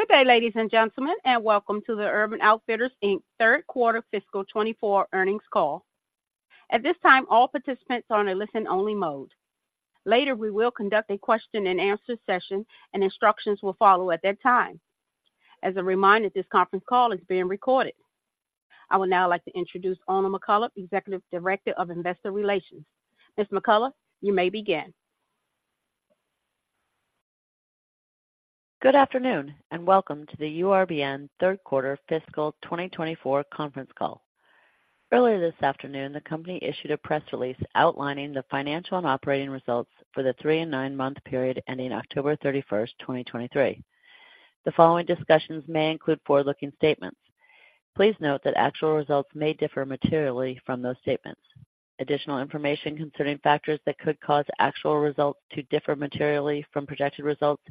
Good day, ladies and gentlemen, and welcome to the Urban Outfitters, Inc. Third Quarter Fiscal 2024 Earnings Call. At this time, all participants are in a listen-only mode. Later, we will conduct a question and answer session and instructions will follow at that time. As a reminder, this conference call is being recorded. I would now like to introduce Oona McCullough, Executive Director of Investor Relations. Ms. McCullough, you may begin. Good afternoon, and welcome to the URBN Third Quarter Fiscal 2024 conference call. Earlier this afternoon, the company issued a press release outlining the financial and operating results for the three and nine month period ending October 31, 2023. The following discussions may include forward-looking statements. Please note that actual results may differ materially from those statements. Additional information concerning factors that could cause actual results to differ materially from projected results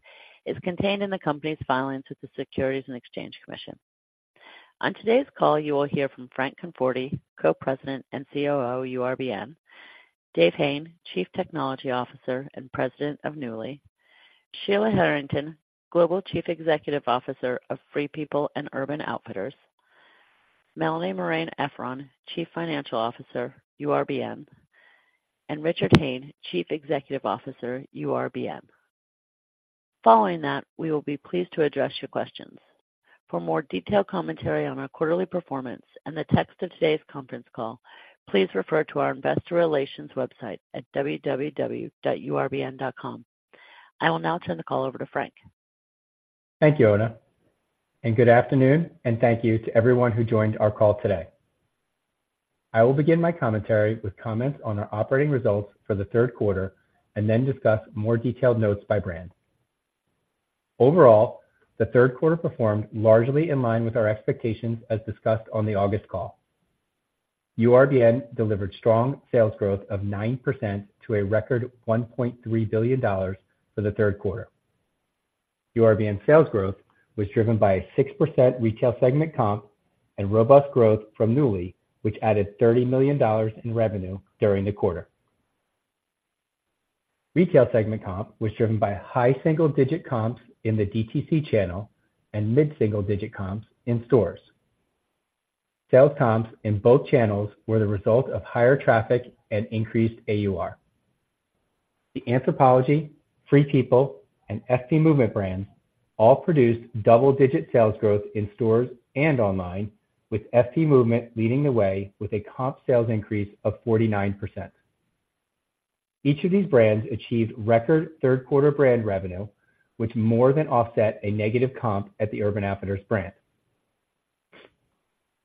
is contained in the company's filings with the Securities and Exchange Commission. On today's call, you will hear from Frank Conforti, Co-President and COO, URBN; Dave Hayne, Chief Technology Officer and President of Nuuly; Sheila Harrington, Global Chief Executive Officer of Free People and Urban Outfitters; Melanie Marein-Efron, Chief Financial Officer, URBN, and Richard Hayne, Chief Executive Officer, URBN. Following that, we will be pleased to address your questions. For more detailed commentary on our quarterly performance and the text of today's conference call, please refer to our investor relations website at www.urbn.com. I will now turn the call over to Frank. Thank you, Oona, and good afternoon, and thank you to everyone who joined our call today. I will begin my commentary with comments on our operating results for the third quarter and then discuss more detailed notes by brand. Overall, the third quarter performed largely in line with our expectations, as discussed on the August call. URBN delivered strong sales growth of 9% to a record $1.3 billion for the third quarter. URBN's sales growth was driven by a 6% retail segment comp and robust growth from Nuuly, which added $30 million in revenue during the quarter. Retail segment comp was driven by high single-digit comps in the DTC channel and mid-single-digit comps in stores. Sales comps in both channels were the result of higher traffic and increased AUR. The Anthropologie, Free People, and FP Movement brands all produced double-digit sales growth in stores and online, with FP Movement leading the way with a comp sales increase of 49%. Each of these brands achieved record third-quarter brand revenue, which more than offset a negative comp at the Urban Outfitters brand.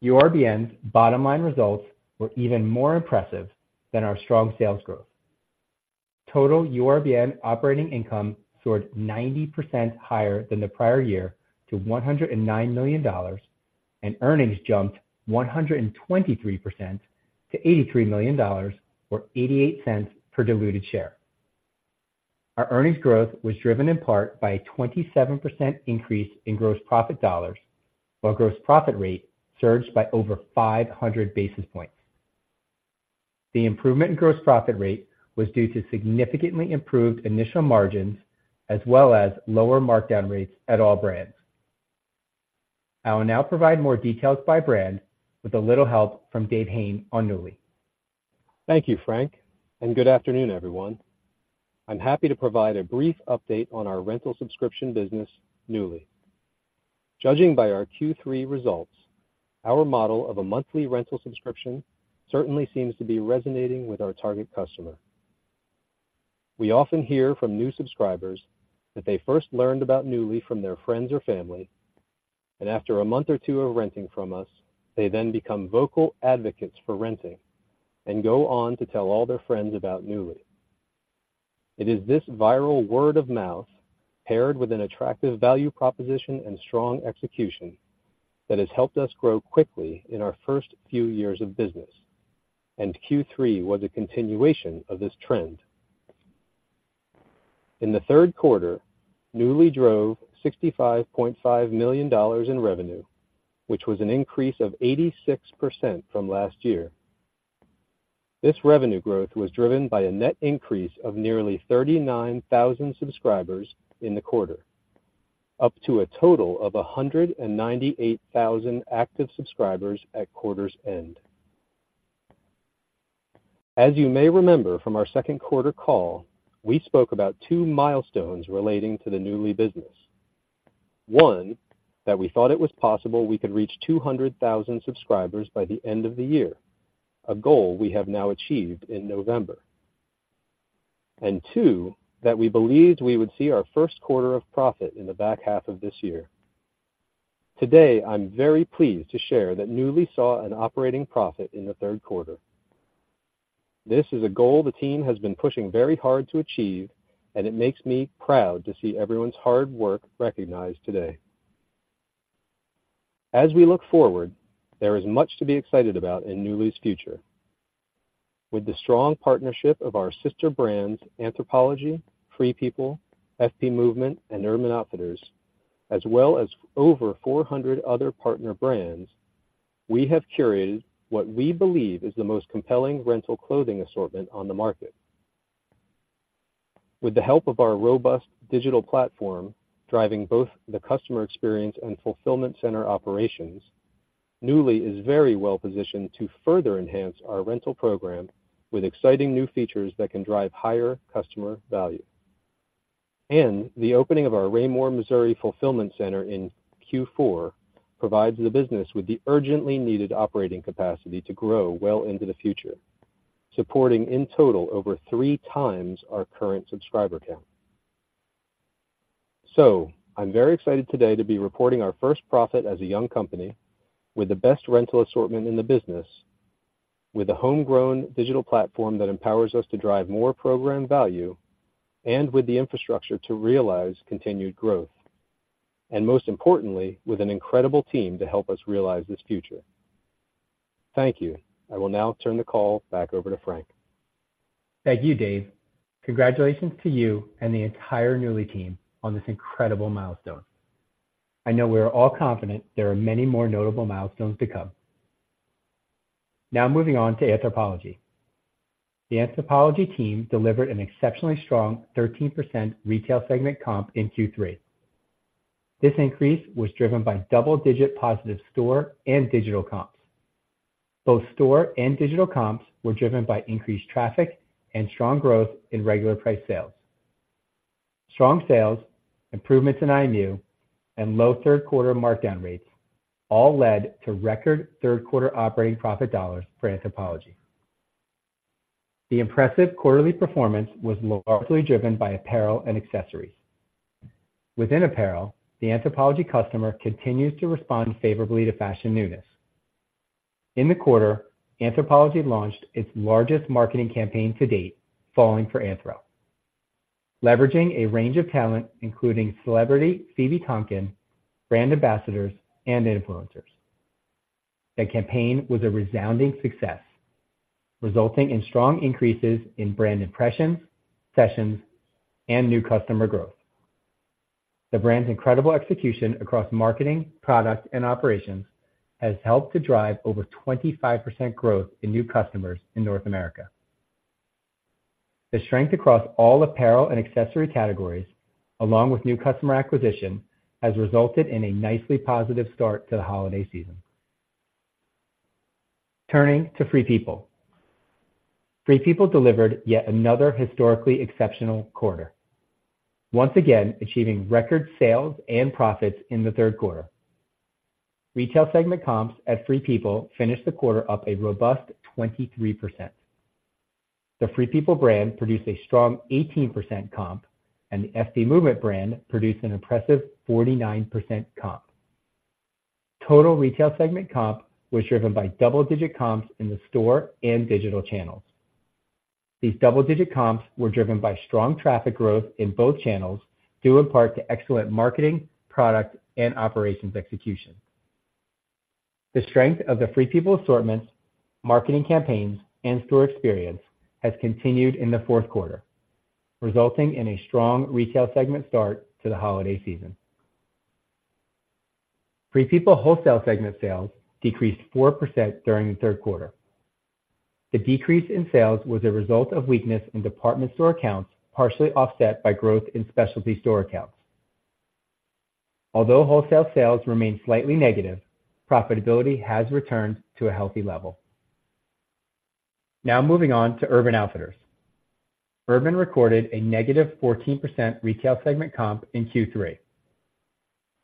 URBN's bottom-line results were even more impressive than our strong sales growth. Total URBN operating income soared 90% higher than the prior year to $109 million, and earnings jumped 123% to $83 million, or $0.88 per diluted share. Our earnings growth was driven in part by a 27% increase in gross profit dollars, while gross profit rate surged by over 500 basis points. The improvement in gross profit rate was due to significantly improved initial margins as well as lower markdown rates at all brands. I will now provide more details by brand with a little help from Dave Hayne on Nuuly. Thank you, Frank, and good afternoon, everyone. I'm happy to provide a brief update on our rental subscription business, Nuuly. Judging by our Q3 results, our model of a monthly rental subscription certainly seems to be resonating with our target customer. We often hear from new subscribers that they first learned about Nuuly from their friends or family, and after a month or two of renting from us, they then become vocal advocates for renting and go on to tell all their friends about Nuuly. It is this viral word of mouth, paired with an attractive value proposition and strong execution, that has helped us grow quickly in our first few years of business, and Q3 was a continuation of this trend. In the third quarter, Nuuly drove $65.5 million in revenue, which was an increase of 86% from last year. This revenue growth was driven by a net increase of nearly 39,000 subscribers in the quarter, up to a total of 198,000 active subscribers at quarter's end. As you may remember from our second quarter call, we spoke about two milestones relating to the Nuuly business. One, that we thought it was possible we could reach 200,000 subscribers by the end of the year, a goal we have now achieved in November. And two, that we believed we would see our first quarter of profit in the back half of this year. Today, I'm very pleased to share that Nuuly saw an operating profit in the third quarter. This is a goal the team has been pushing very hard to achieve, and it makes me proud to see everyone's hard work recognized today. As we look forward, there is much to be excited about in Nuuly's future. With the strong partnership of our sister brands, Anthropologie, Free People, FP Movement, and Urban Outfitters, as well as over 400 other partner brands, we have curated what we believe is the most compelling rental clothing assortment on the market. With the help of our robust digital platform, driving both the customer experience and fulfillment center operations, Nuuly is very well positioned to further enhance our rental program with exciting new features that can drive higher customer value. The opening of our Raymore, Missouri, fulfillment center in Q4 provides the business with the urgently needed operating capacity to grow well into the future, supporting, in total, over three times our current subscriber count. I'm very excited today to be reporting our first profit as a young company, with the best rental assortment in the business, with a homegrown digital platform that empowers us to drive more program value, and with the infrastructure to realize continued growth, and most importantly, with an incredible team to help us realize this future. Thank you. I will now turn the call back over to Frank. Thank you, Dave. Congratulations to you and the entire Nuuly team on this incredible milestone. I know we are all confident there are many more notable milestones to come. Now, moving on to Anthropologie. The Anthropologie team delivered an exceptionally strong 13% retail segment comp in Q3. This increase was driven by double-digit positive store and digital comps. Both store and digital comps were driven by increased traffic and strong growth in regular price sales. Strong sales, improvements in IMU, and low third quarter markdown rates all led to record third-quarter operating profit dollars for Anthropologie. The impressive quarterly performance was largely driven by apparel and accessories. Within apparel, the Anthropologie customer continues to respond favorably to fashion newness. In the quarter, Anthropologie launched its largest marketing campaign to date, Falling for Anthro, leveraging a range of talent, including celebrity Phoebe Tonkin, brand ambassadors, and influencers. The campaign was a resounding success, resulting in strong increases in brand impressions, sessions, and new customer growth. The brand's incredible execution across marketing, product, and operations has helped to drive over 25% growth in new customers in North America. The strength across all apparel and accessory categories, along with new customer acquisition, has resulted in a nicely positive start to the holiday season. Turning to Free People. Free People delivered yet another historically exceptional quarter, once again achieving record sales and profits in the third quarter. Retail segment comps at Free People finished the quarter up a robust 23%. The Free People brand produced a strong 18% comp, and the FP Movement brand produced an impressive 49% comp. Total retail segment comp was driven by double-digit comps in the store and digital channels. These double-digit comps were driven by strong traffic growth in both channels, due in part to excellent marketing, product, and operations execution. The strength of the Free People assortments, marketing campaigns, and store experience has continued in the fourth quarter, resulting in a strong retail segment start to the holiday season. Free People wholesale segment sales decreased 4% during the third quarter. The decrease in sales was a result of weakness in department store accounts, partially offset by growth in specialty store accounts. Although wholesale sales remain slightly negative, profitability has returned to a healthy level. Now moving on to Urban Outfitters. Urban recorded a -14% retail segment comp in Q3.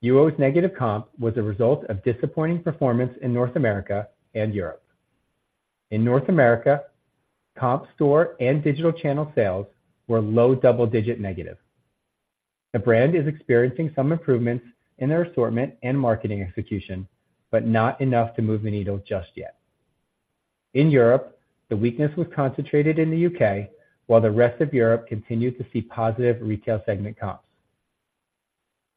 UO's negative comp was a result of disappointing performance in North America and Europe. In North America, comp store and digital channel sales were low double-digit negative. The brand is experiencing some improvements in their assortment and marketing execution, but not enough to move the needle just yet. In Europe, the weakness was concentrated in the U.K., while the rest of Europe continued to see positive retail segment comps.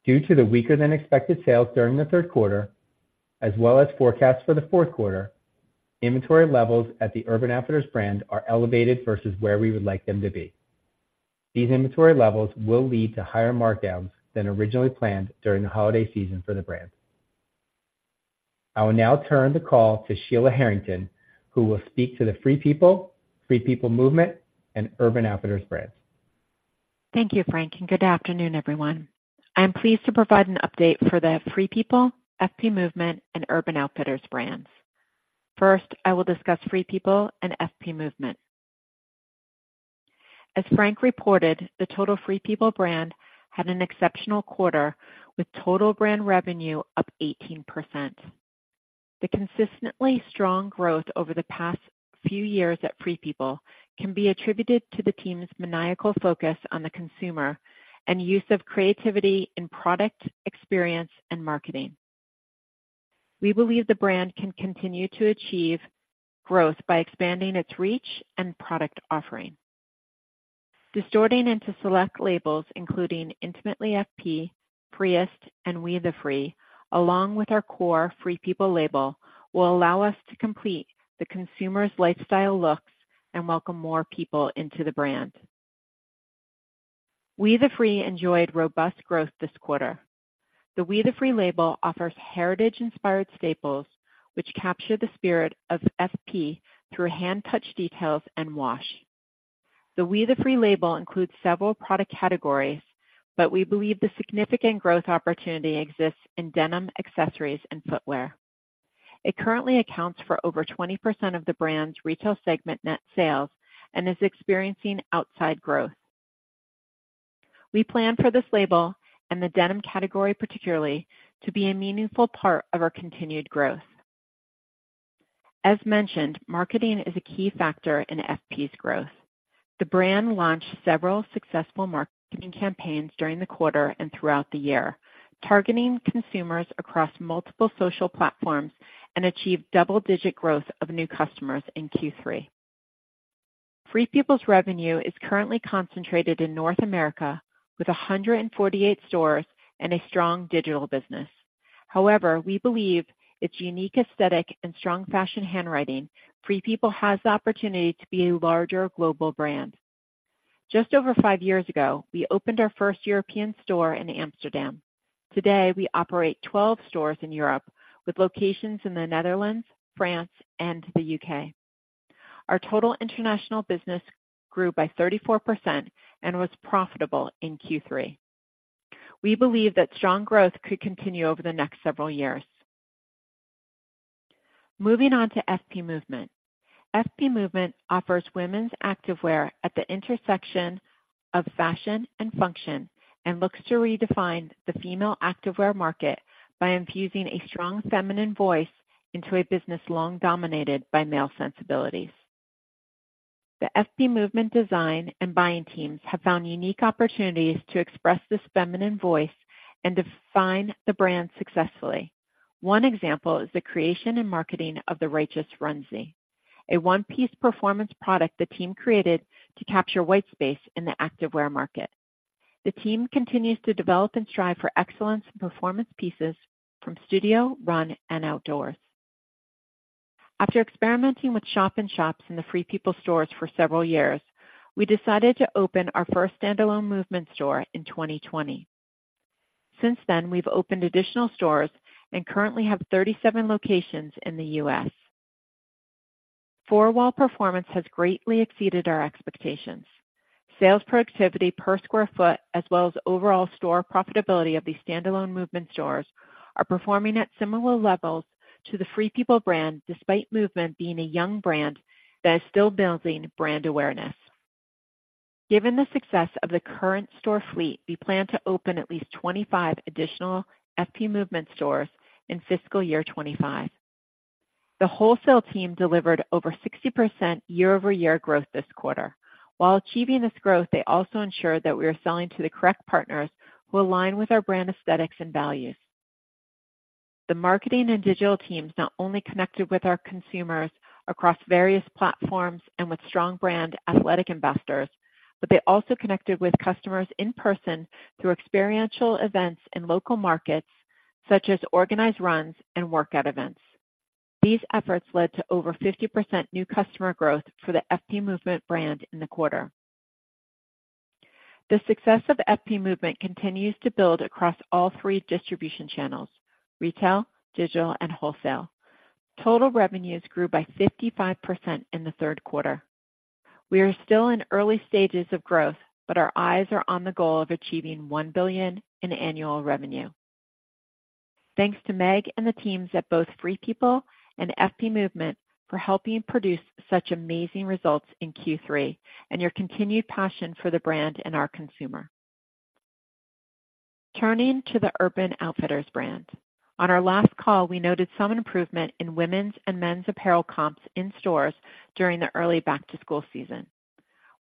Due to the weaker-than-expected sales during the third quarter, as well as forecasts for the fourth quarter, inventory levels at the Urban Outfitters brand are elevated versus where we would like them to be. These inventory levels will lead to higher markdowns than originally planned during the holiday season for the brand. I will now turn the call to Sheila Harrington, who will speak to the Free People, FP Movement, and Urban Outfitters brands. Thank you, Frank, and good afternoon, everyone. I am pleased to provide an update for the Free People, FP Movement, and Urban Outfitters brands. First, I will discuss Free People and FP Movement. As Frank reported, the total Free People brand had an exceptional quarter, with total brand revenue up 18%. The consistently strong growth over the past few years at Free People can be attributed to the team's maniacal focus on the consumer and use of creativity in product, experience, and marketing. We believe the brand can continue to achieve growth by expanding its reach and product offering. Distributing into select labels, including Intimately FP, Freiest, and We The Free, along with our core Free People label, will allow us to complete the consumer's lifestyle looks and welcome more people into the brand. We The Free enjoyed robust growth this quarter. The We The Free label offers heritage-inspired staples, which capture the spirit of FP through hand-touch details and wash. The We The Free label includes several product categories, but we believe the significant growth opportunity exists in denim, accessories, and footwear. It currently accounts for over 20% of the brand's retail segment net sales and is experiencing outsized growth. We plan for this label, and the denim category particularly, to be a meaningful part of our continued growth. As mentioned, marketing is a key factor in FP's growth. The brand launched several successful marketing campaigns during the quarter and throughout the year, targeting consumers across multiple social platforms, and achieved double-digit growth of new customers in Q3. Free People's revenue is currently concentrated in North America, with 148 stores and a strong digital business. However, we believe its unique aesthetic and strong fashion handwriting. Free People has the opportunity to be a larger global brand. Just over five years ago, we opened our first European store in Amsterdam. Today, we operate 12 stores in Europe, with locations in the Netherlands, France, and the U.K. Our total international business grew by 34% and was profitable in Q3. We believe that strong growth could continue over the next several years. Moving on to FP Movement. FP Movement offers women's activewear at the intersection of fashion and function, and looks to redefine the female activewear market by infusing a strong feminine voice into a business long dominated by male sensibilities. The FP Movement design and buying teams have found unique opportunities to express this feminine voice and define the brand successfully. One example is the creation and marketing of the Righteous Runsie, a one-piece performance product the team created to capture white space in the activewear market. The team continues to develop and strive for excellence in performance pieces from studio, run, and outdoors. After experimenting with shop-in-shops in the Free People stores for several years, we decided to open our first standalone Movement store in 2020. Since then, we've opened additional stores and currently have 37 locations in the U.S. Four-wall performance has greatly exceeded our expectations. Sales productivity per sq ft, as well as overall store profitability of these standalone Movement stores, are performing at similar levels to the Free People brand, despite Movement being a young brand that is still building brand awareness. Given the success of the current store fleet, we plan to open at least 25 additional FP Movement stores in fiscal year 2025. The wholesale team delivered over 60% year-over-year growth this quarter. While achieving this growth, they also ensured that we are selling to the correct partners who align with our brand aesthetics and values. The marketing and digital teams not only connected with our consumers across various platforms and with strong brand athletic investors, but they also connected with customers in person through experiential events in local markets, such as organized runs and workout events. These efforts led to over 50% new customer growth for the FP Movement brand in the quarter. The success of FP Movement continues to build across all three distribution channels: retail, digital, and wholesale. Total revenues grew by 55% in the third quarter. We are still in early stages of growth, but our eyes are on the goal of achieving $1 billion in annual revenue. Thanks to Meg and the teams at both Free People and FP Movement for helping produce such amazing results in Q3, and your continued passion for the brand and our consumer. Turning to the Urban Outfitters brand. On our last call, we noted some improvement in women's and men's apparel comps in stores during the early back-to-school season.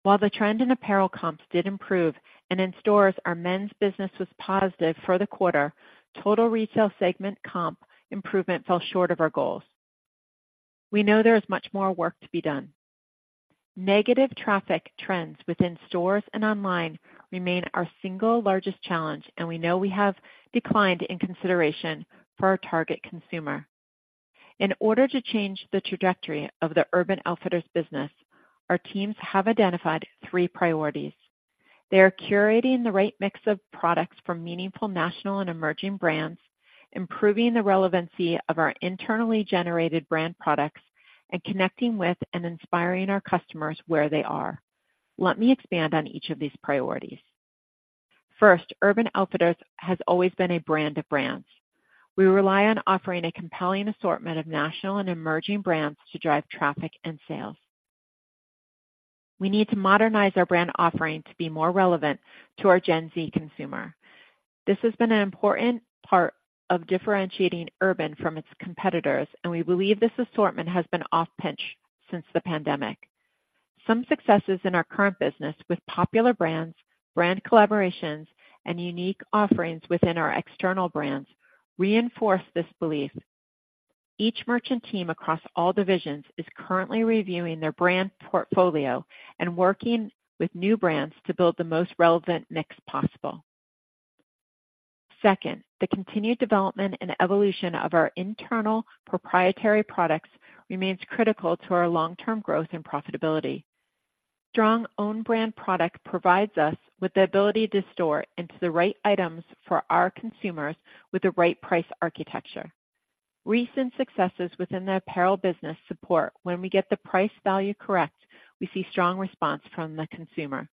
While the trend in apparel comps did improve, and in stores, our men's business was positive for the quarter, total retail segment comp improvement fell short of our goals. We know there is much more work to be done. Negative traffic trends within stores and online remain our single largest challenge, and we know we have declined in consideration for our target consumer. In order to change the trajectory of the Urban Outfitters business, our teams have identified three priorities. They are curating the right mix of products from meaningful national and emerging brands, improving the relevancy of our internally generated brand products, and connecting with and inspiring our customers where they are. Let me expand on each of these priorities. First, Urban Outfitters has always been a brand of brands. We rely on offering a compelling assortment of national and emerging brands to drive traffic and sales. We need to modernize our brand offering to be more relevant to our Gen Z consumer. This has been an important part of differentiating Urban from its competitors, and we believe this assortment has been off pitch since the pandemic. Some successes in our current business with popular brands, brand collaborations, and unique offerings within our external brands reinforce this belief. Each merchant team across all divisions is currently reviewing their brand portfolio and working with new brands to build the most relevant mix possible. Second, the continued development and evolution of our internal proprietary products remains critical to our long-term growth and profitability. Strong own brand product provides us with the ability to assort into the right items for our consumers with the right price architecture. Recent successes within the apparel business support when we get the price value correct, we see strong response from the consumer.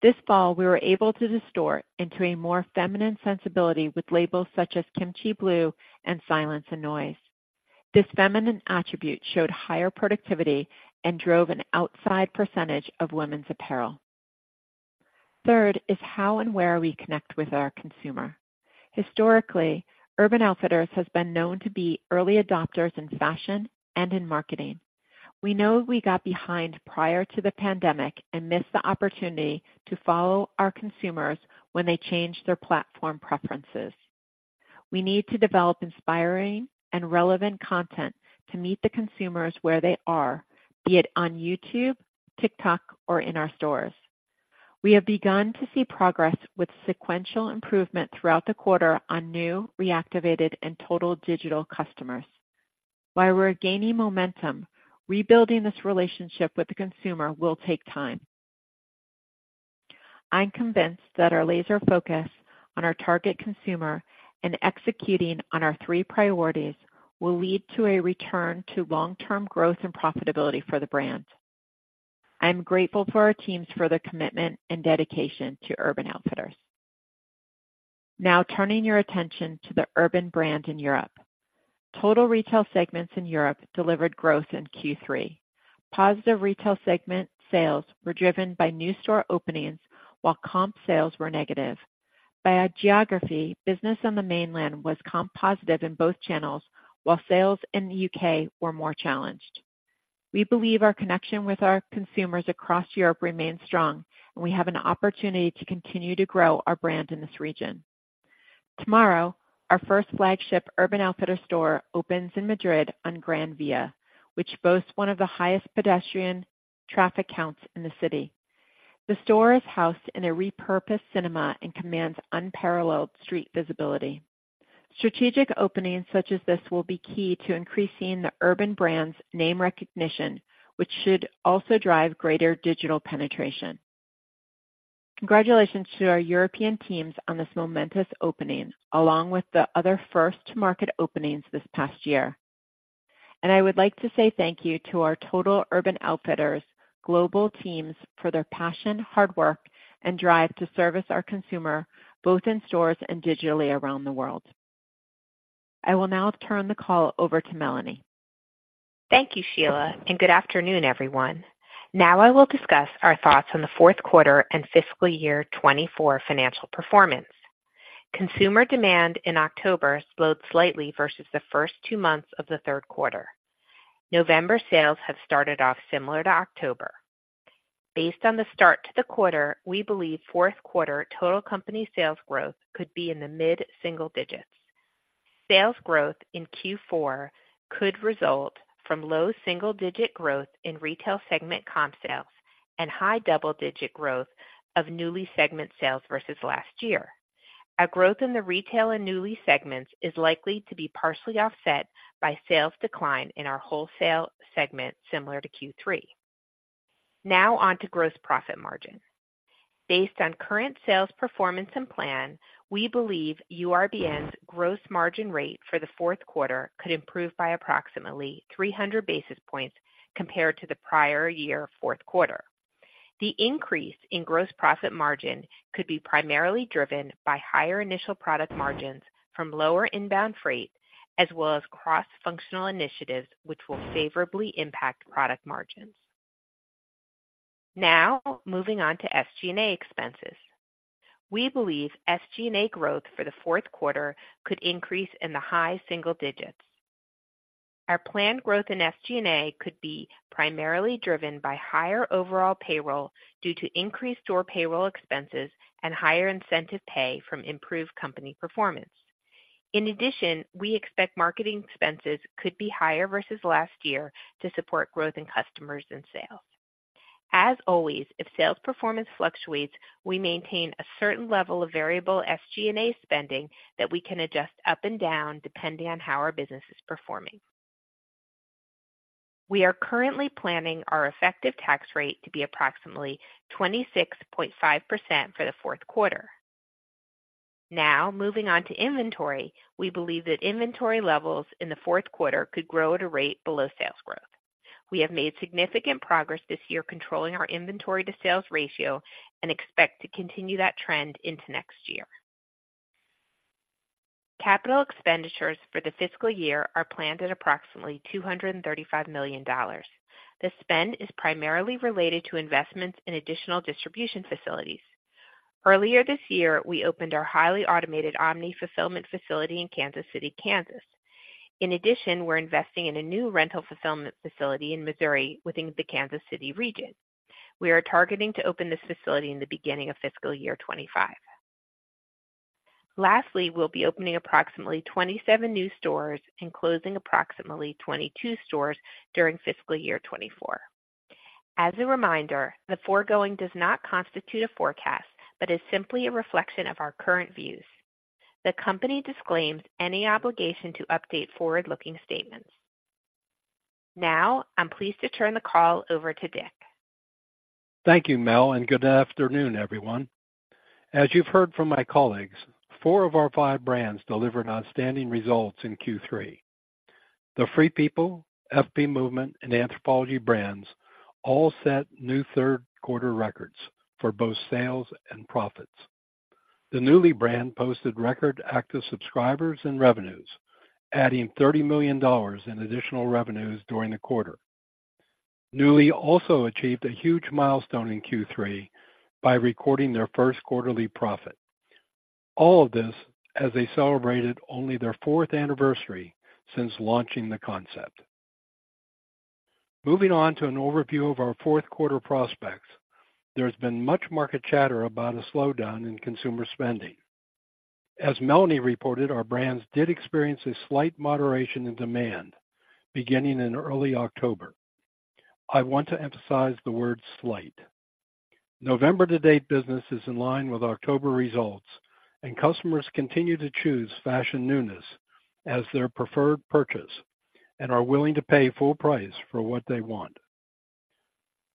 This fall, we were able to assort into a more feminine sensibility with labels such as Kimchi Blue and Silence + Noise. This feminine attribute showed higher productivity and drove an outsized percentage of women's apparel. Third is how and where we connect with our consumer. Historically, Urban Outfitters has been known to be early adopters in fashion and in marketing. We know we got behind prior to the pandemic and missed the opportunity to follow our consumers when they changed their platform preferences. We need to develop inspiring and relevant content to meet the consumers where they are, be it on YouTube, TikTok, or in our stores. We have begun to see progress with sequential improvement throughout the quarter on new, reactivated, and total digital customers. While we're gaining momentum, rebuilding this relationship with the consumer will take time. I'm convinced that our laser focus on our target consumer and executing on our three priorities will lead to a return to long-term growth and profitability for the brand. I'm grateful for our teams for their commitment and dedication to Urban Outfitters. Now, turning your attention to the Urban brand in Europe. Total retail segments in Europe delivered growth in Q3. Positive retail segment sales were driven by new store openings, while comp sales were negative. By geography, business on the mainland was comp positive in both channels, while sales in the U.K. were more challenged. We believe our connection with our consumers across Europe remains strong, and we have an opportunity to continue to grow our brand in this region. Tomorrow, our first flagship Urban Outfitters store opens in Madrid on Gran Vía, which boasts one of the highest pedestrian traffic counts in the city. The store is housed in a repurposed cinema and commands unparalleled street visibility. Strategic openings such as this will be key to increasing the Urban brand's name recognition, which should also drive greater digital penetration. Congratulations to our European teams on this momentous opening, along with the other first market openings this past year, and I would like to say thank you to our total Urban Outfitters global teams for their passion, hard work, and drive to service our consumer, both in stores and digitally around the world. I will now turn the call over to Melanie. Thank you, Sheila, and good afternoon, everyone. Now I will discuss our thoughts on the fourth quarter and fiscal year 2024 financial performance. Consumer demand in October slowed slightly versus the first two months of the third quarter. November sales have started off similar to October. Based on the start to the quarter, we believe fourth quarter total company sales growth could be in the mid-single digits. Sales growth in Q4 could result from low single-digit growth in Retail Segment comp sales and high double-digit growth of Nuuly segment sales versus last year. Our growth in the Retail and Nuuly segments is likely to be partially offset by sales decline in our Wholesale Segment, similar to Q3. Now on to gross profit margin. Based on current sales performance and plan, we believe URBN's gross margin rate for the fourth quarter could improve by approximately 300 basis points compared to the prior year fourth quarter. The increase in gross profit margin could be primarily driven by higher initial product margins from lower inbound freight, as well as cross-functional initiatives, which will favorably impact product margins. Now, moving on to SG&A expenses. We believe SG&A growth for the fourth quarter could increase in the high single digits. Our planned growth in SG&A could be primarily driven by higher overall payroll due to increased store payroll expenses and higher incentive pay from improved company performance. In addition, we expect marketing expenses could be higher versus last year to support growth in customers and sales. As always, if sales performance fluctuates, we maintain a certain level of variable SG&A spending that we can adjust up and down, depending on how our business is performing. We are currently planning our effective tax rate to be approximately 26.5% for the fourth quarter. Now, moving on to inventory, we believe that inventory levels in the fourth quarter could grow at a rate below sales growth. We have made significant progress this year, controlling our inventory to sales ratio and expect to continue that trend into next year. Capital expenditures for the fiscal year are planned at approximately $235 million. The spend is primarily related to investments in additional distribution facilities. Earlier this year, we opened our highly automated omni-fulfillment facility in Kansas City, Kansas. In addition, we're investing in a new rental fulfillment facility in Missouri within the Kansas City region. We are targeting to open this facility in the beginning of fiscal year 2025. Lastly, we'll be opening approximately 27 new stores and closing approximately 22 stores during fiscal year 2024. As a reminder, the foregoing does not constitute a forecast, but is simply a reflection of our current views. The company disclaims any obligation to update forward-looking statements. Now, I'm pleased to turn the call over to Dick. Thank you, Mel, and good afternoon, everyone. As you've heard from my colleagues, four of our five brands delivered outstanding results in Q3. The Free People, FP Movement, and Anthropologie brands all set new third quarter records for both sales and profits. The Nuuly brand posted record active subscribers and revenues, adding $30 million in additional revenues during the quarter. Nuuly also achieved a huge milestone in Q3 by recording their first quarterly profit. All of this as they celebrated only their fourth anniversary since launching the concept. Moving on to an overview of our fourth quarter prospects, there's been much market chatter about a slowdown in consumer spending. As Melanie reported, our brands did experience a slight moderation in demand beginning in early October. I want to emphasize the word slight. November to date, business is in line with October results, and customers continue to choose fashion newness as their preferred purchase and are willing to pay full price for what they want.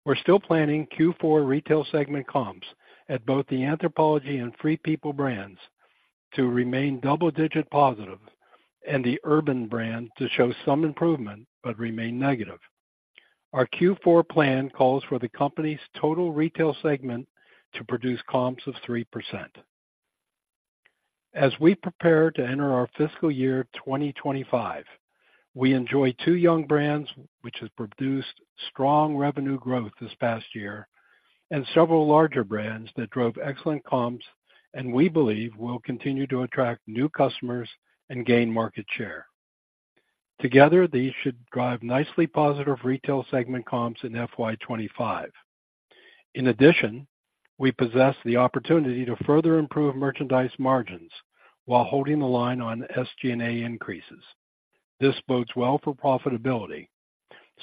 We're still planning Q4 retail segment comps at both the Anthropologie and Free People brands to remain double-digit positive and the Urban brand to show some improvement, but remain negative. Our Q4 plan calls for the company's total retail segment to produce comps of 3%. As we prepare to enter our fiscal year 2025, we enjoy two young brands, which have produced strong revenue growth this past year and several larger brands that drove excellent comps and we believe will continue to attract new customers and gain market share. Together, these should drive nicely positive retail segment comps in FY 2025. In addition, we possess the opportunity to further improve merchandise margins while holding the line on SG&A increases. This bodes well for profitability,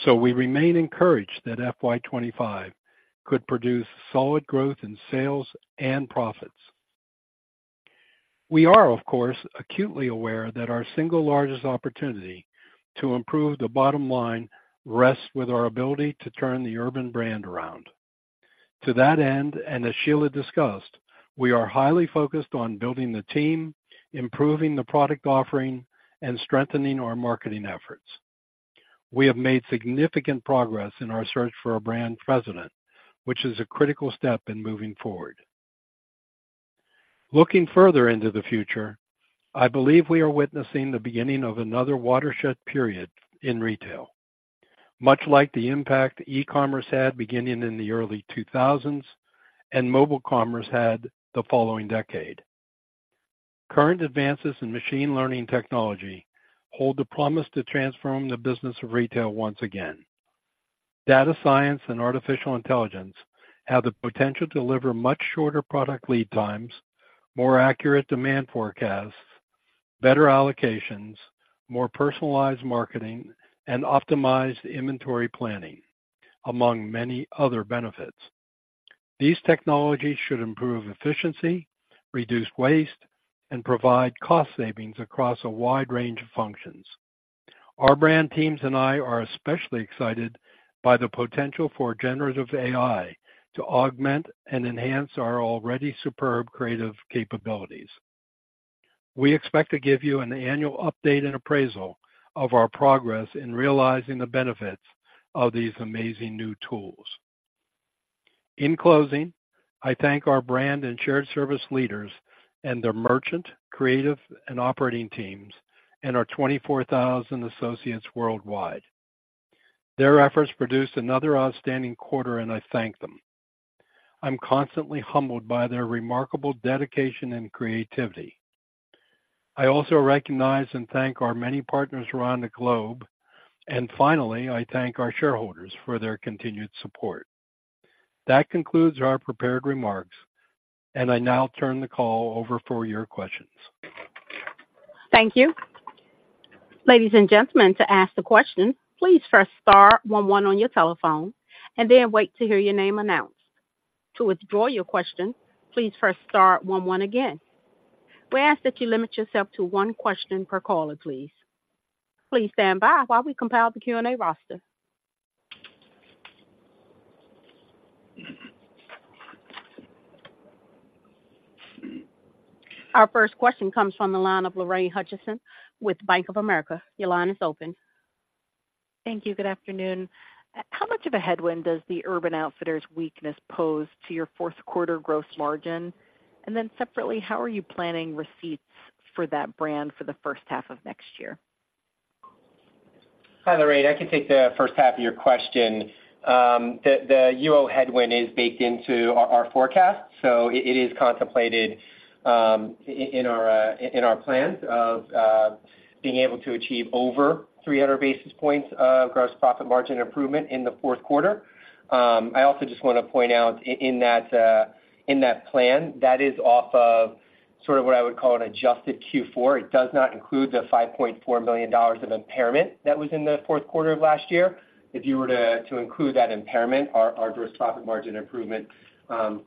so we remain encouraged that FY 25 could produce solid growth in sales and profits. We are, of course, acutely aware that our single largest opportunity to improve the bottom line rests with our ability to turn the Urban brand around. To that end, and as Sheila discussed, we are highly focused on building the team, improving the product offering, and strengthening our marketing efforts. We have made significant progress in our search for a brand president, which is a critical step in moving forward. Looking further into the future, I believe we are witnessing the beginning of another watershed period in retail, much like the impact e-commerce had beginning in the early 2000s and mobile commerce had the following decade. Current advances in machine learning technology hold the promise to transform the business of retail once again. Data science and artificial intelligence have the potential to deliver much shorter product lead times, more accurate demand forecasts, better allocations, more personalized marketing, and optimized inventory planning, among many other benefits. These technologies should improve efficiency, reduce waste, and provide cost savings across a wide range of functions. Our brand teams and I are especially excited by the potential for generative AI to augment and enhance our already superb creative capabilities. We expect to give you an annual update and appraisal of our progress in realizing the benefits of these amazing new tools. In closing, I thank our brand and shared service leaders and their merchant, creative, and operating teams and our 24,000 associates worldwide. Their efforts produced another outstanding quarter, and I thank them. I'm constantly humbled by their remarkable dedication and creativity. I also recognize and thank our many partners around the globe, and finally, I thank our shareholders for their continued support. That concludes our prepared remarks, and I now turn the call over for your questions. Thank you. Ladies and gentlemen, to ask a question, please press star one one on your telephone and then wait to hear your name announced. To withdraw your question, please press star one one again. We ask that you limit yourself to one question per caller, please. Please stand by while we compile the Q&A roster. Our first question comes from the line of Lorraine Hutchinson with Bank of America. Your line is open. Thank you. Good afternoon. How much of a headwind does the Urban Outfitters weakness pose to your fourth quarter gross margin? And then separately, how are you planning receipts for that brand for the first half of next year? Hi, Lorraine. I can take the first half of your question. The UO headwind is baked into our forecast, so it is contemplated in our plans of being able to achieve over 300 basis points of gross profit margin improvement in the fourth quarter. I also just want to point out in that plan that is off of sort of what I would call an adjusted Q4. It does not include the $5.4 billion of impairment that was in the fourth quarter of last year. If you were to include that impairment, our gross profit margin improvement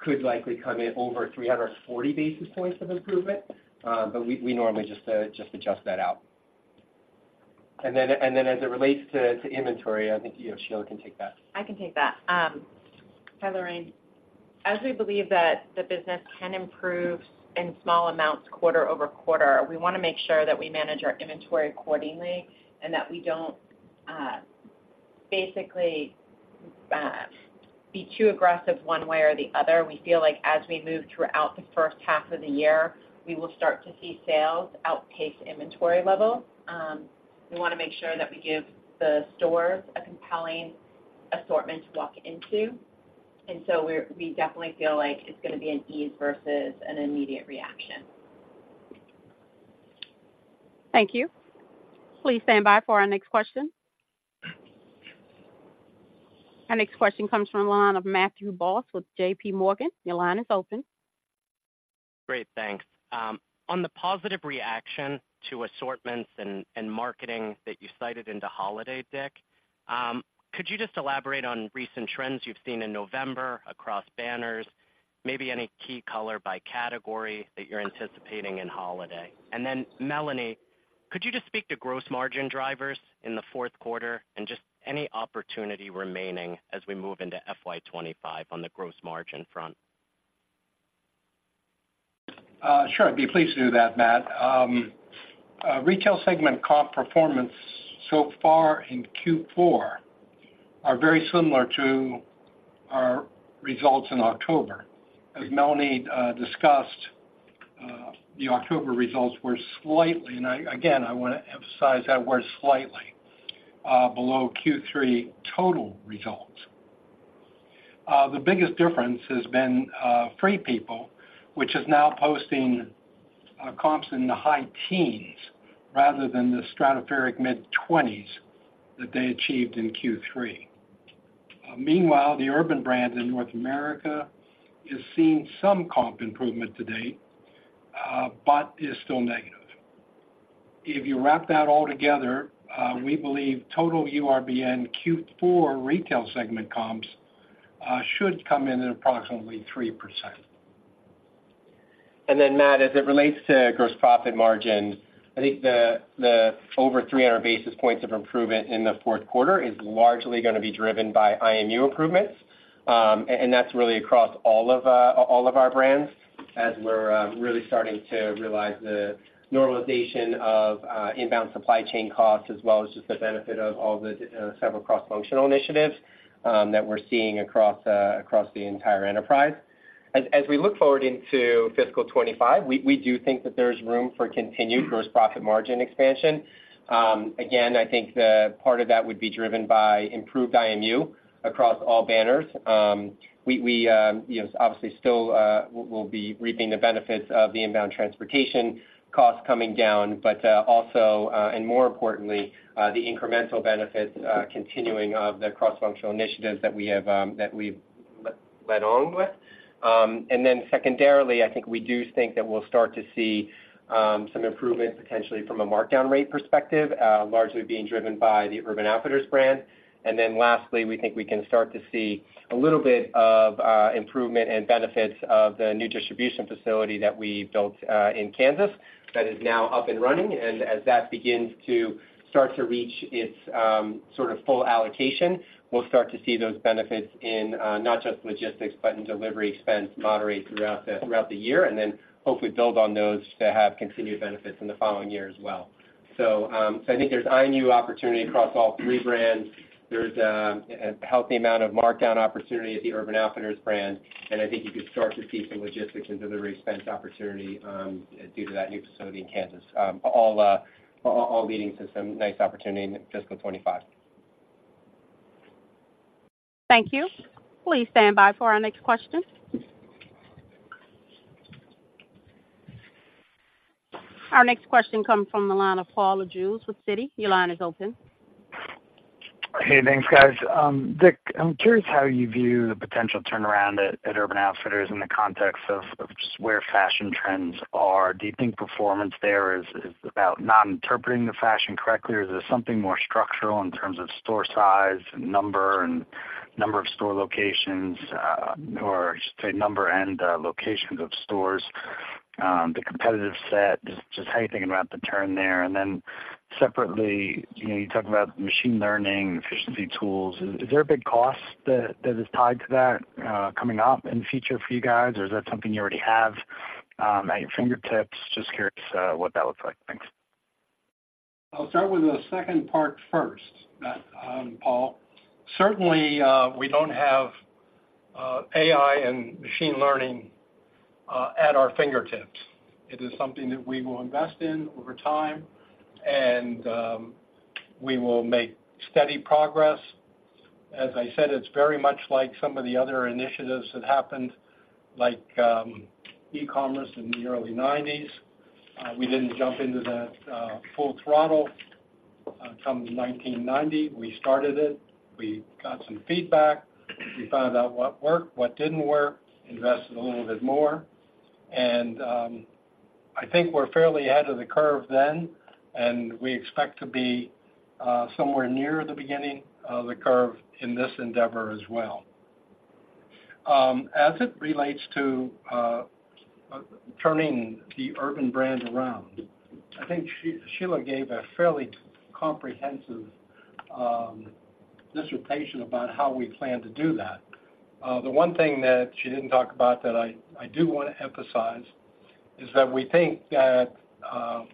could likely come in over 340 basis points of improvement, but we normally just adjust that out. And then as it relates to inventory, I think, you know, Sheila can take that. I can take that. Hi, Lorraine. As we believe that the business can improve in small amounts quarter-over-quarter, we want to make sure that we manage our inventory accordingly, and that we don't basically be too aggressive one way or the other. We feel like as we move throughout the first half of the year, we will start to see sales outpace inventory levels. We want to make sure that we give the stores a compelling assortment to walk into. And so we definitely feel like it's going to be an ease versus an immediate reaction. Thank you. Please stand by for our next question. Our next question comes from the line of Matthew Boss with JP Morgan. Your line is open. Great, thanks. On the positive reaction to assortments and marketing that you cited in the holiday, Dick, could you just elaborate on recent trends you've seen in November across banners, maybe any key color by category that you're anticipating in holiday? And then, Melanie, could you just speak to gross margin drivers in the fourth quarter, and just any opportunity remaining as we move into FY 25 on the gross margin front? Sure, I'd be pleased to do that, Matt. Retail segment comp performance so far in Q4 are very similar to our results in October. As Melanie discussed, the October results were slightly, and again, I want to emphasize that word slightly, below Q3 total results. The biggest difference has been Free People, which is now posting comps in the high teens rather than the stratospheric mid-twenties that they achieved in Q3. Meanwhile, the urban brand in North America is seeing some comp improvement to date, but is still negative. If you wrap that all together, we believe total URBN Q4 retail segment comps should come in at approximately 3%. And then, Matt, as it relates to gross profit margin, I think the over 300 basis points of improvement in the fourth quarter is largely going to be driven by IMU improvements. And that's really across all of all of our brands, as we're really starting to realize the normalization of inbound supply chain costs, as well as just the benefit of all the several cross-functional initiatives that we're seeing across across the entire enterprise. As we look forward into fiscal 2025, we do think that there's room for continued gross profit margin expansion. Again, I think the part of that would be driven by improved IMU across all banners. You know, obviously, still, we'll be reaping the benefits of the inbound transportation costs coming down, but also and more importantly, the incremental benefits continuing of the cross-functional initiatives that we have, that we've led on with. And then secondarily, I think we do think that we'll start to see some improvements, potentially from a markdown rate perspective, largely being driven by the Urban Outfitters brand. And then lastly, we think we can start to see a little bit of improvement and benefits of the new distribution facility that we built in Kansas, that is now up and running. As that begins to start to reach its sort of full allocation, we'll start to see those benefits in not just logistics, but in delivery expense moderate throughout the year, and then hopefully build on those to have continued benefits in the following year as well. So, so I think there's IMU opportunity across all three brands. There's a healthy amount of markdown opportunity at the Urban Outfitters brand, and I think you could start to see some logistics and delivery expense opportunity due to that new facility in Kansas. All leading to some nice opportunity in fiscal 25. Thank you. Please stand by for our next question. Our next question comes from the line of Paul Lejuez with Citi. Your line is open. Hey, thanks, guys. Dick, I'm curious how you view the potential turnaround at Urban Outfitters in the context of just where fashion trends are. Do you think performance there is about not interpreting the fashion correctly, or is there something more structural in terms of store size and number of store locations, or, say, number and locations of stores, the competitive set? Just how you thinking about the turn there. And then separately, you know, you talk about machine learning, efficiency tools. Is there a big cost that is tied to that coming up in the future for you guys, or is that something you already have at your fingertips? Just curious what that looks like. Thanks. I'll start with the second part first, Matt, Paul. Certainly, we don't have AI and machine learning at our fingertips. It is something that we will invest in over time, and we will make steady progress. As I said, it's very much like some of the other initiatives that happened, like e-commerce in the early 1990s. We didn't jump into that full throttle come 1990. We started it, we got some feedback, we found out what worked, what didn't work, invested a little bit more. And I think we're fairly ahead of the curve then, and we expect to be somewhere near the beginning of the curve in this endeavor as well. As it relates to turning the Urban brand around, I think Sheila gave a fairly comprehensive dissertation about how we plan to do that. The one thing that she didn't talk about that I do want to emphasize is that we think that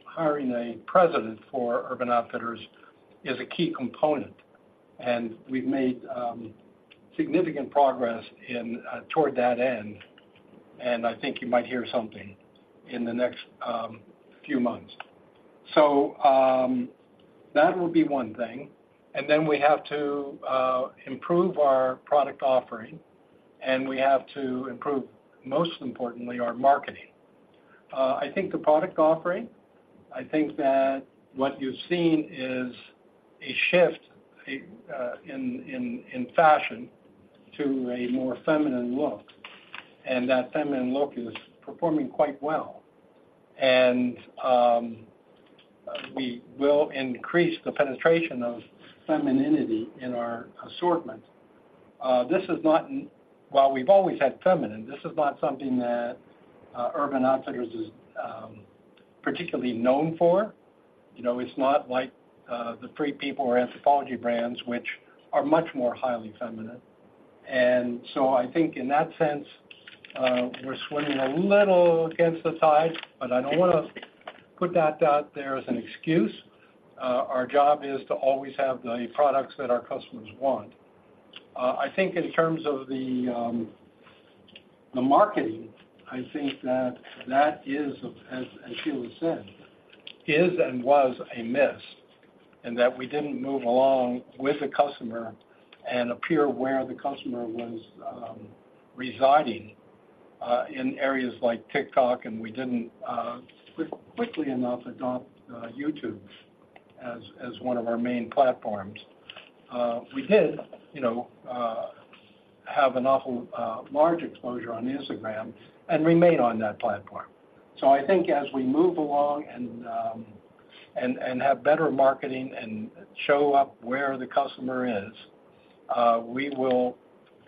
hiring a president for Urban Outfitters is a key component, and we've made significant progress toward that end, and I think you might hear something in the next few months. So, that will be one thing. And then we have to improve our product offering, and we have to improve, most importantly, our marketing. I think the product offering, I think that what you've seen is a shift in fashion to a more feminine look, and that feminine look is performing quite well. We will increase the penetration of femininity in our assortment. This is not—while we've always had feminine, this is not something that Urban Outfitters is particularly known for. You know, it's not like the Free People or Anthropologie brands, which are much more highly feminine. And so I think in that sense, we're swimming a little against the tide, but I don't want to put that out there as an excuse. Our job is to always have the products that our customers want. I think in terms of the marketing, I think that that is, as Sheila said, is and was a miss, and that we didn't move along with the customer and appear where the customer was residing in areas like TikTok, and we didn't quickly enough adopt YouTube as one of our main platforms. We did, you know, have an awful large exposure on Instagram and remain on that platform. So I think as we move along and have better marketing and show up where the customer is, we will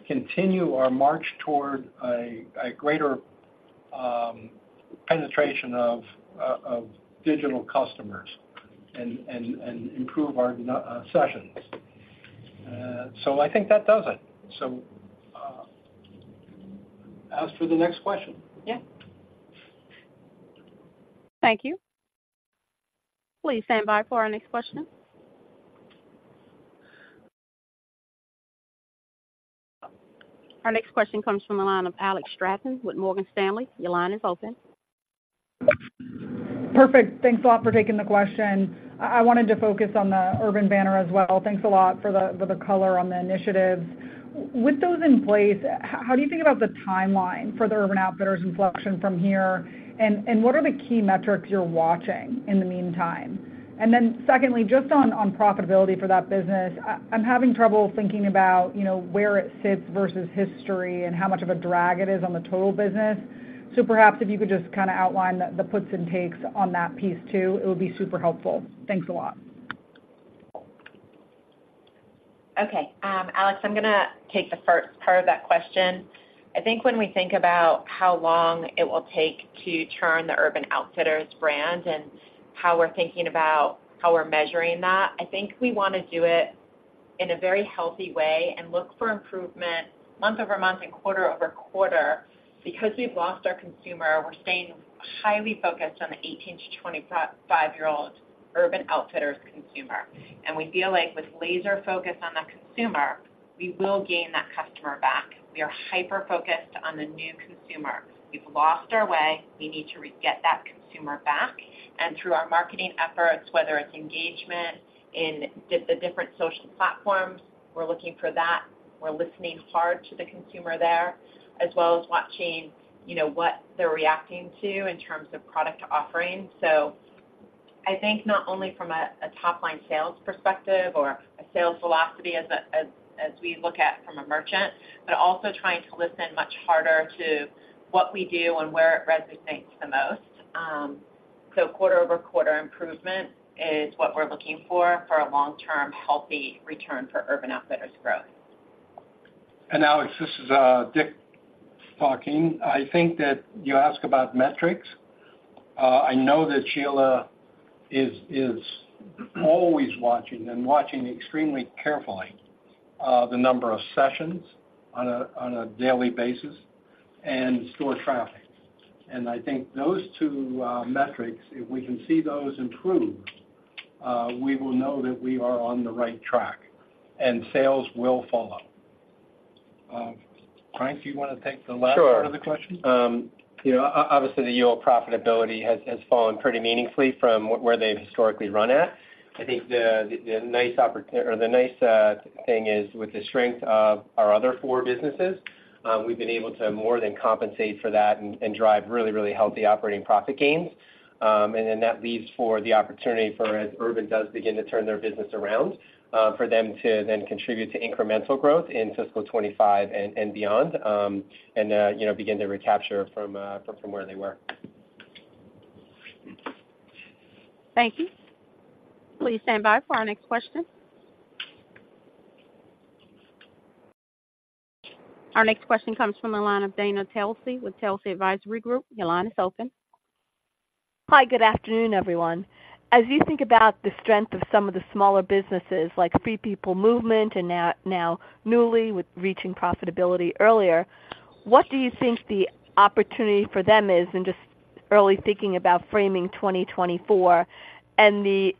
continue our march toward a greater penetration of digital customers and improve our sessions. So I think that does it. So, as for the next question. Yeah. Thank you. Please stand by for our next question. Our next question comes from the line of Alex Straton with Morgan Stanley. Your line is open. Perfect. Thanks a lot for taking the question. I wanted to focus on the Urban banner as well. Thanks a lot for the color on the initiatives. With those in place, how do you think about the timeline for the Urban Outfitters inflection from here? And what are the key metrics you're watching in the meantime? And then secondly, just on profitability for that business, I'm having trouble thinking about, you know, where it sits versus history and how much of a drag it is on the total business. So perhaps if you could just kind of outline the puts and takes on that piece, too, it would be super helpful. Thanks a lot. Okay. Alex, I'm going to take the first part of that question. I think when we think about how long it will take to turn the Urban Outfitters brand and how we're thinking about how we're measuring that, I think we want to do it in a very healthy way and look for improvement month-over-month and quarter-over-quarter. Because we've lost our consumer, we're staying highly focused on the 18-25-year-old Urban Outfitters consumer. And we feel like with laser focus on the consumer, we will gain that customer back. We are hyper-focused on the new consumer. We've lost our way. We need to regain that consumer back. And through our marketing efforts, whether it's engagement in the different social platforms, we're looking for that. We're listening hard to the consumer there, as well as watching, you know, what they're reacting to in terms of product offering. So I think not only from a top-line sales perspective or a sales velocity as we look at from a merchant, but also trying to listen much harder to what we do and where it resonates the most. So quarter-over-quarter improvement is what we're looking for, for a long-term, healthy return for Urban Outfitters growth. And Alex, this is Dick talking. I think that you ask about metrics. I know that Sheila is always watching and watching extremely carefully the number of sessions on a daily basis and store traffic. And I think those two metrics, if we can see those improve, we will know that we are on the right track, and sales will follow. Frank, do you want to take the last- Sure. part of the question? You know, obviously, the yield profitability has fallen pretty meaningfully from where they've historically run at. I think the nice thing is, with the strength of our other four businesses, we've been able to more than compensate for that and drive really, really healthy operating profit gains. And then that leaves for the opportunity for as Urban does begin to turn their business around, for them to then contribute to incremental growth in fiscal 2025 and beyond, and you know, begin to recapture from where they were. Thank you. Please stand by for our next question. Our next question comes from the line of Dana Telsey with Telsey Advisory Group. Your line is open. Hi, good afternoon, everyone. As you think about the strength of some of the smaller businesses, like Free People Movement and now Nuuly, with reaching profitability earlier, what do you think the opportunity for them is in just early thinking about framing 2024 and the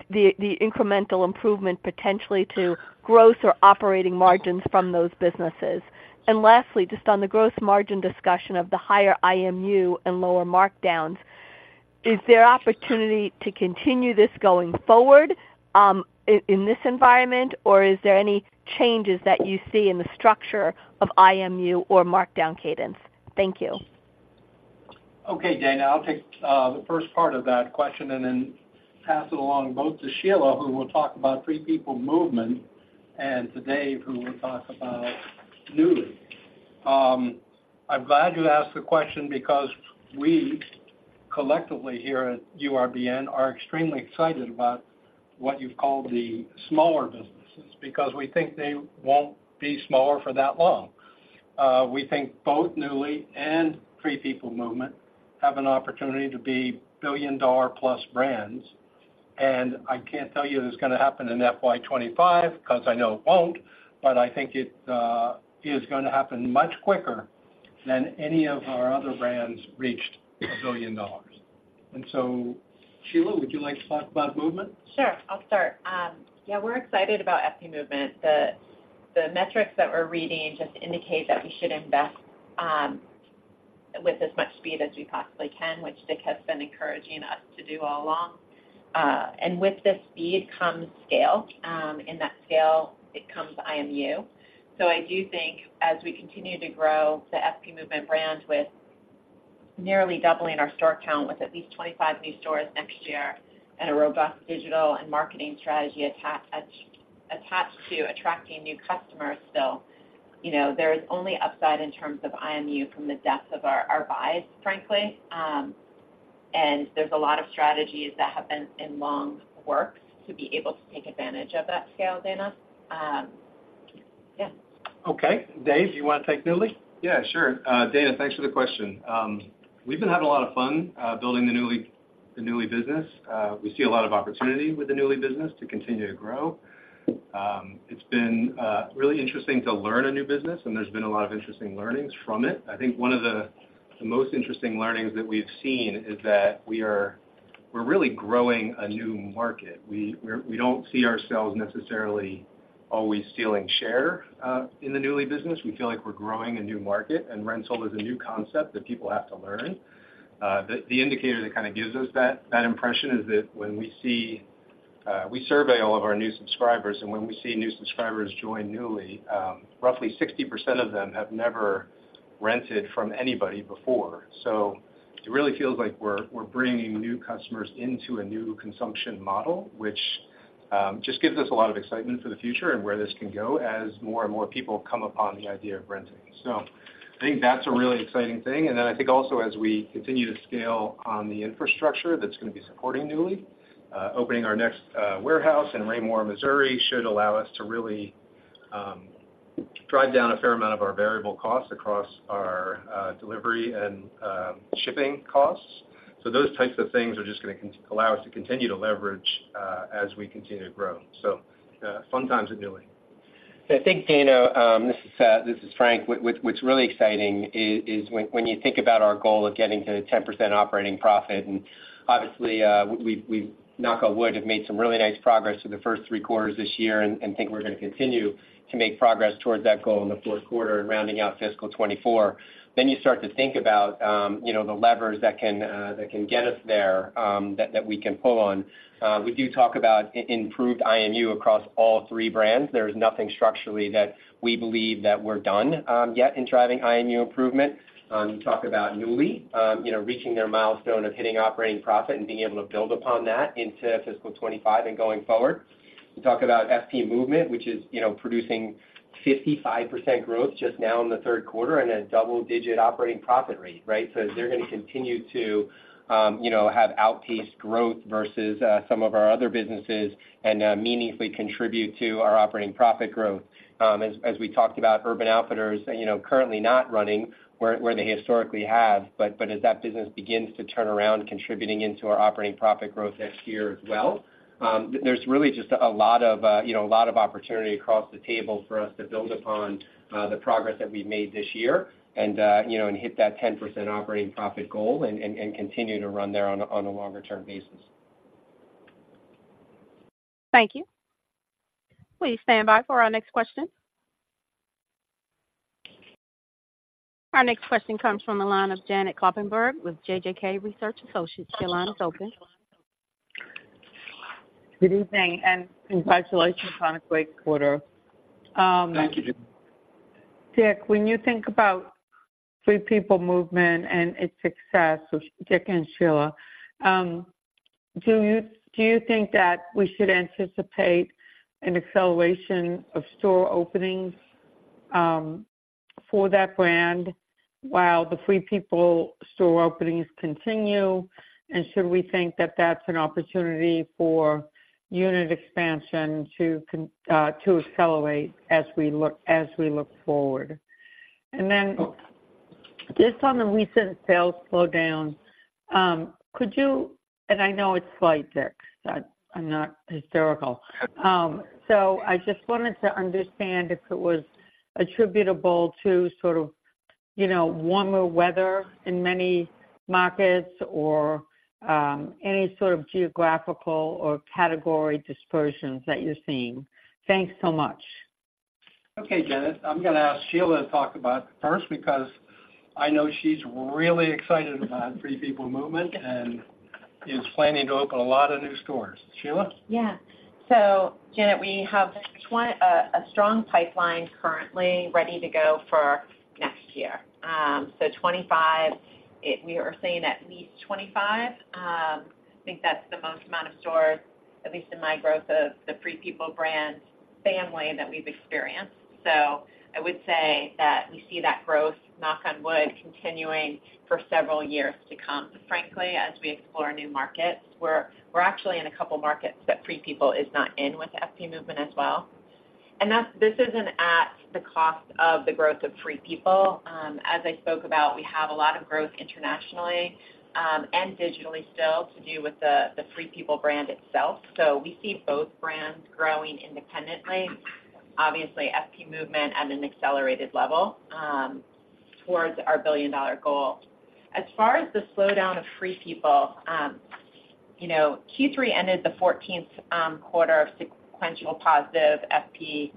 incremental improvement potentially to gross or operating margins from those businesses? And lastly, just on the gross margin discussion of the higher IMU and lower markdowns, is there opportunity to continue this going forward, in this environment? Or is there any changes that you see in the structure of IMU or markdown cadence? Thank you. Okay, Dana, I'll take the first part of that question and then pass it along both to Sheila, who will talk about Free People Movement, and to Dave, who will talk about Nuuly. I'm glad you asked the question because we collectively, here at URBN, are extremely excited about what you've called the smaller businesses, because we think they won't be smaller for that long. We think both Nuuly and Free People Movement have an opportunity to be billion-dollar-plus brands, and I can't tell you it's going to happen in FY 2025, because I know it won't, but I think it is going to happen much quicker than any of our other brands reached a billion dollars. So, Sheila, would you like to talk about Movement? Sure, I'll start. Yeah, we're excited about FP Movement. The metrics that we're reading just indicate that we should invest with as much speed as we possibly can, which Dick has been encouraging us to do all along. And with the speed comes scale. In that scale, it comes IMU. So I do think as we continue to grow the FP Movement brand, with nearly doubling our store count, with at least 25 new stores next year and a robust digital and marketing strategy attached to attracting new customers still, you know, there is only upside in terms of IMU from the depth of our buys, frankly. And there's a lot of strategies that have been in long works to be able to take advantage of that scale, Dana. Yeah. Okay. Dave, do you want to take Nuuly? Yeah, sure. Dana, thanks for the question. We've been having a lot of fun building the Nuuly business. We see a lot of opportunity with the Nuuly business to continue to grow. It's been really interesting to learn a new business, and there's been a lot of interesting learnings from it. I think one of the most interesting learnings that we've seen is that we're really growing a new market. We don't see ourselves necessarily always stealing share in the Nuuly business. We feel like we're growing a new market, and rental is a new concept that people have to learn. The indicator that kind of gives us that impression is that when we see... We survey all of our new subscribers, and when we see new subscribers join Nuuly, roughly 60% of them have never rented from anybody before. So it really feels like we're bringing new customers into a new consumption model, which just gives us a lot of excitement for the future and where this can go as more and more people come upon the idea of renting. So I think that's a really exciting thing. And then I think also as we continue to scale on the infrastructure that's going to be supporting Nuuly, opening our next warehouse in Raymore, Missouri, should allow us to really drive down a fair amount of our variable costs across our delivery and shipping costs. So those types of things are just going to allow us to continue to leverage as we continue to grow. So, fun times at Nuuly. I think, Dana, this is Frank. What's really exciting is when you think about our goal of getting to 10% operating profit, and obviously, we knock on wood, have made some really nice progress through the first three quarters this year and think we're going tocontinue to make progress towards that goal in the fourth quarter and rounding out fiscal 2024. Then you start to think about, you know, the levers that can get us there, that we can pull on. We do talk about improved IMU across all three brands. There is nothing structurally that we believe that we're done yet in driving IMU improvement. You talk about Nuuly, you know, reaching their milestone of hitting operating profit and being able to build upon that into fiscal 2025 and going forward. We talk about FP Movement, which is, you know, producing 55% growth just now in the Third Quarter and a double-digit operating profit rate, right? So they're going to continue to, you know, have outpaced growth versus some of our other businesses and meaningfully contribute to our operating profit growth. As we talked about, Urban Outfitters, you know, currently not running where they historically have, but as that business begins to turn around, contributing into our operating profit growth next year as well. There's really just a lot of, you know, a lot of opportunity across the table for us to build upon the progress that we've made this year and, you know, and hit that 10% operating profit goal and continue to run there on a longer-term basis. Thank you. Please stand by for our next question. Our next question comes from the line of Janet Kloppenburg with JJK Research Associates. Your line is open. Good evening, and congratulations on a great quarter. Thank you. Dick, when you think about FP Movement and its success, so Dick and Sheila, do you think that we should anticipate an acceleration of store openings for that brand, while the Free People store openings continue? And should we think that that's an opportunity for unit expansion to accelerate as we look forward? And then just on the recent sales slowdown, could you? And I know it's slight, Dick. I'm not hysterical. So I just wanted to understand if it was attributable to sort of, you know, warmer weather in many markets or any sort of geographical or category dispersions that you're seeing. Thanks so much. Okay, Janet, I'm going to ask Sheila to talk about it first, because I know she's really excited about Free People Movement and is planning to open a lot of new stores. Sheila? Yeah. So Janet, we have a strong pipeline currently ready to go for next year. So 25, we are saying at least 25. I think that's the most amount of stores, at least in my growth, of the Free People brand family that we've experienced. So I would say that we see that growth, knock on wood, continuing for several years to come. Frankly, as we explore new markets, we're, we're actually in a couple markets that Free People is not in with FP Movement as well. And that's—this isn't at the cost of the growth of Free People. As I spoke about, we have a lot of growth internationally, and digitally still to do with the, the Free People brand itself. So we see both brands growing independently, obviously, FP Movement at an accelerated level, towards our billion-dollar goal. As far as the slowdown of Free People, you know, Q3 ended the fourteenth quarter of sequential positive FP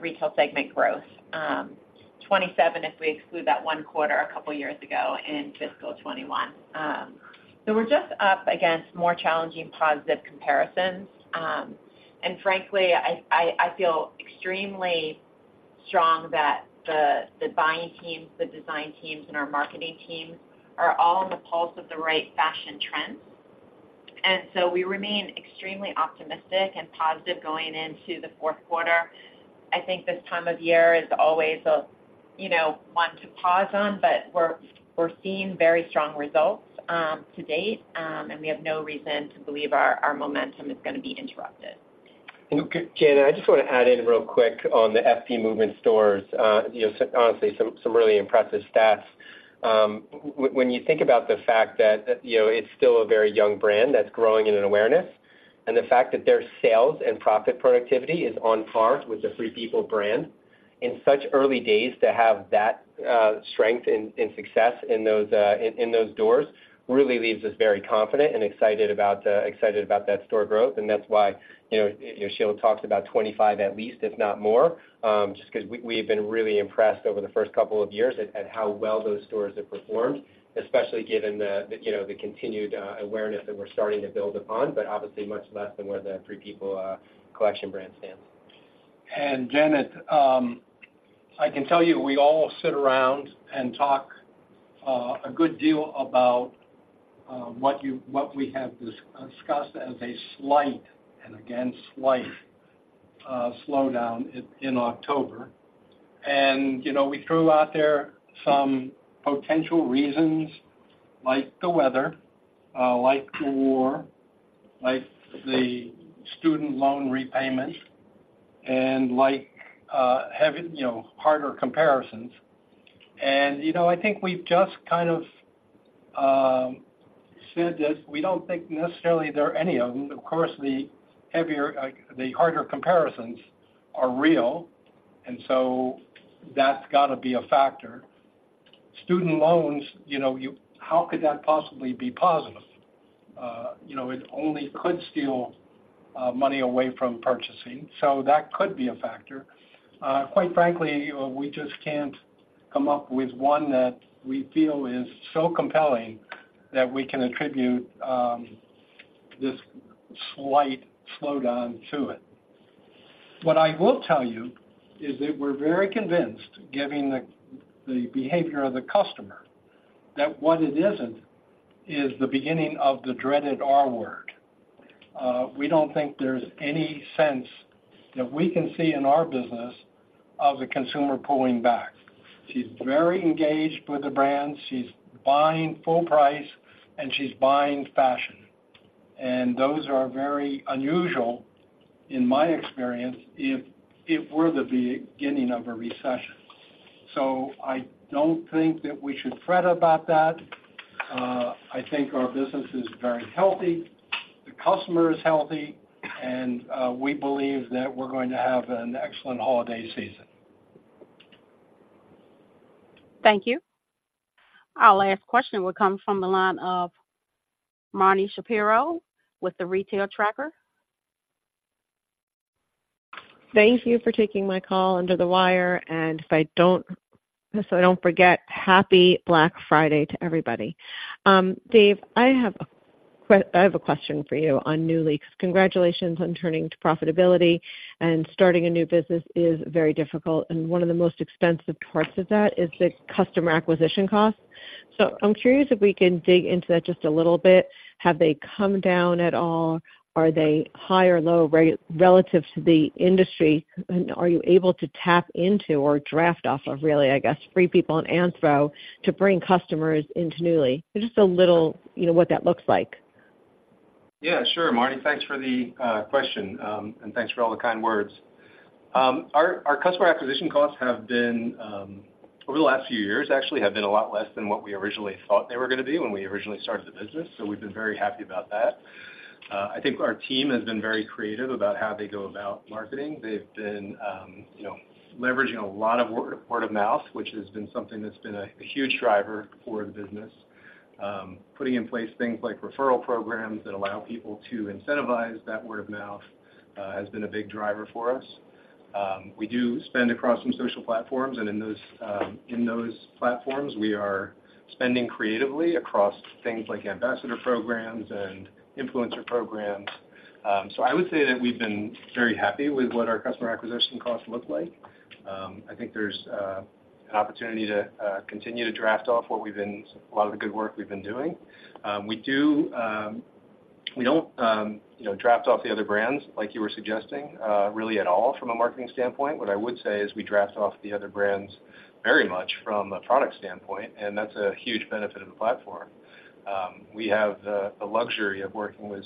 retail segment growth. 27, if we exclude that one quarter a couple of years ago in fiscal 2021. So we're just up against more challenging positive comparisons. And frankly, I, I, I feel extremely strong that the, the buying teams, the design teams, and our marketing teams are all on the pulse of the right fashion trends. And so we remain extremely optimistic and positive going into the fourth quarter. I think this time of year is always a, you know, one to pause on, but we're, we're seeing very strong results to date, and we have no reason to believe our, our momentum is going to be interrupted. Janet, I just want to add in real quick on the FP Movement stores, you know, honestly, some really impressive stats. When you think about the fact that, you know, it's still a very young brand that's growing in an awareness, and the fact that their sales and profit productivity is on par with the Free People brand. In such early days, to have that strength and success in those doors, really leaves us very confident and excited about that store growth, and that's why, you know, Sheila talked about 25 at least, if not more. Just 'cause we, we've been really impressed over the first couple of years at how well those stores have performed, especially given the you know, the continued awareness that we're starting to build upon, but obviously much less than where the Free People collection brand stands. Janet, I can tell you, we all sit around and talk a good deal about what we have discussed as a slight and again, slight, slowdown in October. You know, we threw out there some potential reasons, like the weather, like the war, like the student loan repayments, and like having, you know, harder comparisons. You know, I think we've just kind of said this, we don't think necessarily there are any of them. Of course, the heavier, the harder comparisons are real, and so that's got to be a factor. Student loans, you know, you how could that possibly be positive? You know, it only could steal money away from purchasing, so that could be a factor. Quite frankly, we just can't come up with one that we feel is so compelling that we can attribute this slight slowdown to it. What I will tell you is that we're very convinced, given the behavior of the customer, that what it isn't is the beginning of the dreaded R word. We don't think there's any sense that we can see in our business of the consumer pulling back. She's very engaged with the brand, she's buying full price, and she's buying fashion. Those are very unusual, in my experience, if we're the beginning of a recession. So I don't think that we should fret about that. I think our business is very healthy, the customer is healthy, and we believe that we're going to have an excellent holiday season. Thank you. Our last question will come from the line of Marni Shapiro with the Retail Tracker. Thank you for taking my call under the wire, and if I don't, so I don't forget, Happy Black Friday to everybody. Dave, I have a question for you on Nuuly. Congratulations on turning to profitability, and starting a new business is very difficult, and one of the most expensive parts of that is the customer acquisition cost. So I'm curious if we can dig into that just a little bit. Have they come down at all? Are they high or low relative to the industry? And are you able to tap into or draft off of really, I guess, Free People and Anthro to bring customers into Nuuly? Just a little, you know, what that looks like. Yeah, sure, Marni. Thanks for the question, and thanks for all the kind words. Our customer acquisition costs have been, over the last few years, actually, a lot less than what we originally thought they were going to be when we originally started the business, so we've been very happy about that. I think our team has been very creative about how they go about marketing. They've been, you know, leveraging a lot of word of mouth, which has been something that's been a huge driver for the business. Putting in place things like referral programs that allow people to incentivize that word of mouth has been a big driver for us. We do spend across some social platforms, and in those, in those platforms, we are spending creatively across things like ambassador programs and influencer programs. So I would say that we've been very happy with what our customer acquisition costs look like. I think there's an opportunity to continue to draft off what we've been a lot of the good work we've been doing. We do, we don't, you know, draft off the other brands like you were suggesting, really at all from a marketing standpoint. What I would say is we draft off the other brands very much from a product standpoint, and that's a huge benefit of the platform. We have the luxury of working with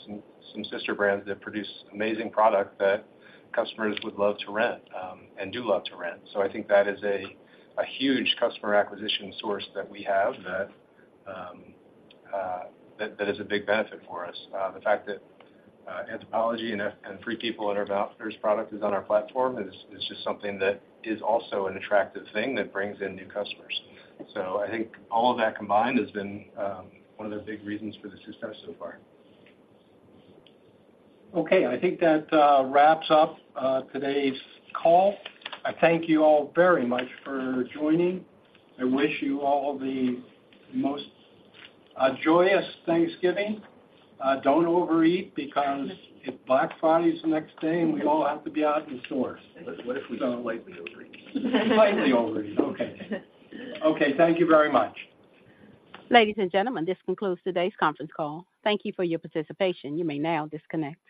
some sister brands that produce amazing product that customers would love to rent, and do love to rent. So I think that is a huge customer acquisition source that we have that is a big benefit for us. The fact that Anthropologie and Free People and their first product is on our platform is just something that is also an attractive thing that brings in new customers. So I think all of that combined has been one of the big reasons for the success so far. Okay, I think that wraps up today's call. I thank you all very much for joining and wish you all the most joyous Thanksgiving. Don't overeat because Black Friday's the next day, and we all have to be out in stores. What if we just slightly overeat? Slightly overeat. Okay. Okay, thank you very much. Ladies and gentlemen, this concludes today's conference call. Thank you for your participation. You may now disconnect.